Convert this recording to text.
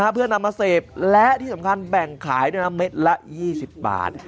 เพื่อนำมาเสพและที่สำคัญแบ่งขายด้วยนะเม็ดละ๒๐บาท